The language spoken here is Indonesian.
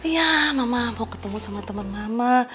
ya mama mau ketemu sama teman mama